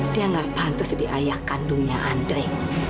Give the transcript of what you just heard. dia gak pantes jadi ayah kandungnya andre